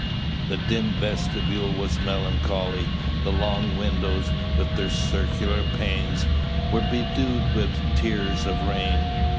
The dim vestibule was melancholy; the long windows, with their circular panes, were bedewed with tears of rain.